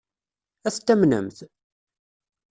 Ad t-tamnemt?